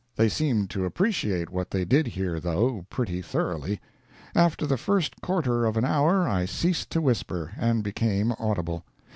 They seemed to appreciate what they did hear though, pretty thoroughly. After the first quarter of an hour I ceased to whisper, and became audible.